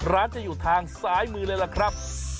ร้านจะอยู่ทางซ้ายมือเลยล่ะครับ